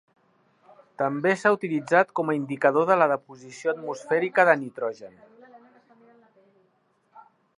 També s'ha utilitzat com a indicador de la deposició atmosfèrica de nitrogen.